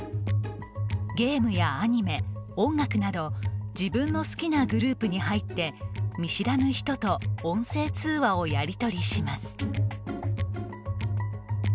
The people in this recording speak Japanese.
ゲームやアニメ、音楽など自分の好きなグループに入って見知らぬ人と音声通話をやりとりします。